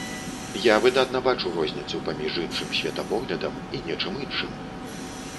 Я выдатна бачу розніцу паміж іншым светапоглядам і нечым іншым.